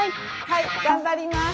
はい頑張ります！